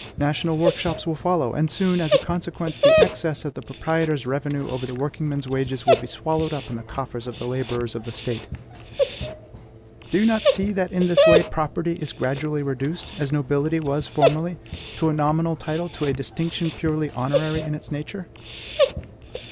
National workshops will follow; and soon, as a consequence, the excess of the proprietor's revenue over the workingman's wages will be swallowed up in the coffers of the laborers of the State. Do you not see that in this way property is gradually reduced, as nobility was formerly, to a nominal title, to a distinction purely honorary in its nature?